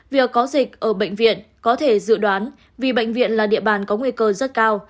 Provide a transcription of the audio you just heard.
việc có dịch ở bệnh viện có thể dự đoán vì bệnh viện là địa bàn có nguy cơ rất cao